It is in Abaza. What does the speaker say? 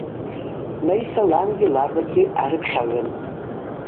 Лариса лангьи лабагьи арыпхьагӏвын.